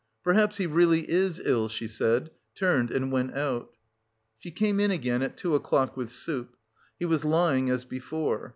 "Perhaps he really is ill," she said, turned and went out. She came in again at two o'clock with soup. He was lying as before.